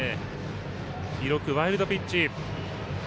記録ワイルドピッチ。